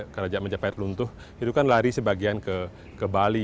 kerajaan majapahit luntuh itu kan lari sebagian ke bali